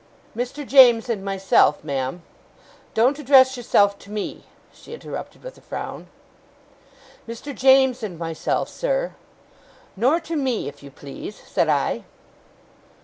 'Mr. James and myself, ma'am ' 'Don't address yourself to me!' she interrupted with a frown. 'Mr. James and myself, sir ' 'Nor to me, if you please,' said I.